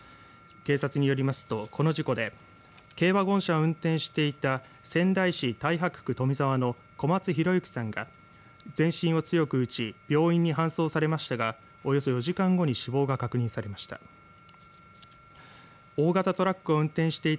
警察によりますとこの事故で軽ワゴン車を運転していた仙台市太白区富沢の小松弘幸さんが全身をひどく打ち病院に搬送されましたがおよそ４時間後に死亡が確認されました。